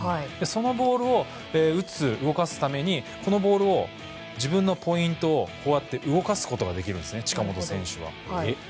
そのボールを打つ、動かすためにこのボールを自分のポイントを動かすことができるんです近本選手は。